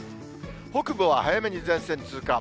北部は早めに前線通過。